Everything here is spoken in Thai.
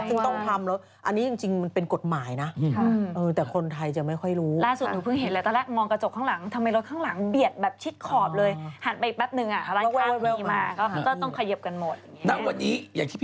แล้ววันนี้อย่างที่พี่โบว์บอกเมื่อกี้นี้ที่จริงอายุเท่ากันนะครับ